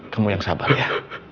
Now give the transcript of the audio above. kamu yang sabar ya